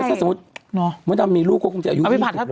ถ้าสมมติมดดำมีลูกก็คงจะอายุ๒๐แล้วนะ